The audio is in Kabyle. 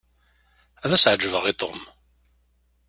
Ad as-ɛejbeɣ i Tom.